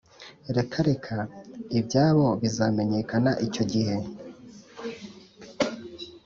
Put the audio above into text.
Reka reka ibyabo bizamenyekana icyo gihe